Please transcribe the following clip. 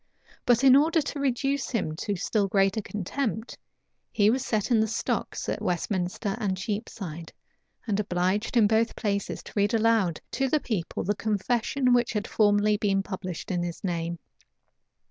But in order to reduce him to still greater contempt, he was set in the stocks at Westminster and Cheapside, and obliged in both places to read aloud to the people the confession which had formerly been published in his name.